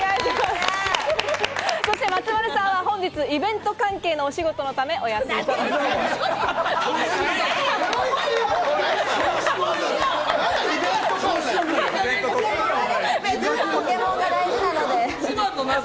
松丸さんは本日、イベント関係のお仕事のためお休みです。